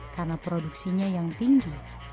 karena produksinya yang tinggi